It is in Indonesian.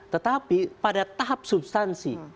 tetapi pada tahap substansi